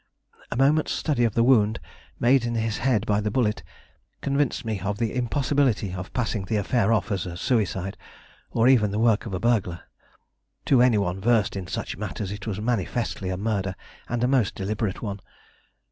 A moment's study of the wound made in his head by the bullet convinced me of the impossibility of passing the affair off as a suicide, or even the work of a burglar. To any one versed in such matters it was manifestly a murder, and a most deliberate one.